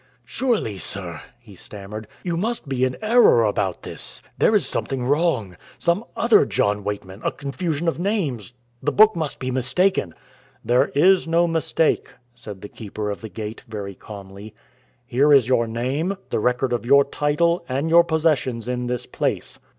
"Surely, sir," he stammered, "you must be in error about this. There is something wrong some other John Weightman a confusion of names the book must be mistaken." "There is no mistake," said the Keeper of the Gate, very calmly; "here is your name, the record of your title and your possessions in this place."